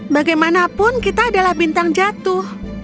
bagaimanapun kita adalah bintang jatuh